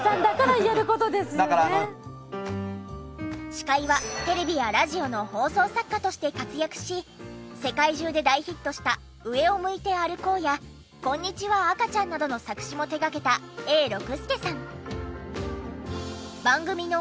司会はテレビやラジオの放送作家として活躍し世界中で大ヒットした『上を向いて歩こう』や『こんにちは赤ちゃん』などの作詞も手がけた永六輔さん。